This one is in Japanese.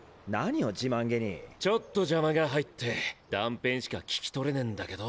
ちょっと邪魔が入って断片しか聞き取れねぇんだけど。